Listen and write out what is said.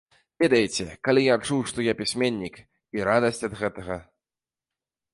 Ведаеце, калі я адчуў, што я пісьменнік і радасць ад гэтага?